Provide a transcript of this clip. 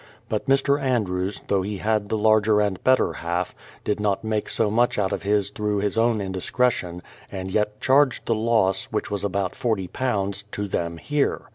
But Mr. Andrews, though he had the larger and better half, did not make so much out of his through his own indis cretion, and yet charged the loss, which was about £40, to them here.